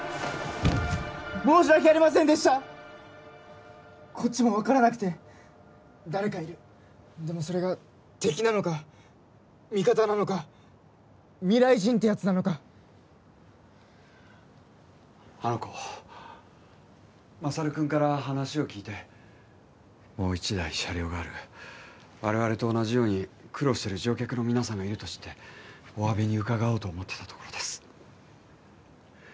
申し訳ありませんでしたこっちも分からなくて誰かいるでもそれが敵なのか味方なのか未来人ってやつなのかあの子将君から話を聞いてもう一台車両がある我々と同じように苦労してる乗客の皆さんがいると知っておわびに伺おうと思ってたところです